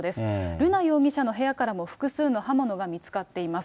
瑠奈容疑者の部屋からも、複数の刃物が見つかっています。